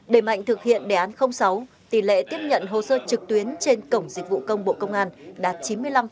đề mạnh thực hiện đề án sáu tỷ lệ tiếp nhận hồ sơ trực tuyến trên cổng dịch vụ công bộ công an đạt chín mươi năm